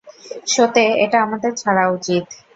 শোতে এটা আমাদের ছাড়া উচিৎ।